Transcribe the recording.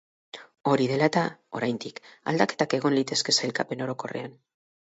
Hori dela eta, oraindik aldaketak egon litezke sailkapen orokorrean.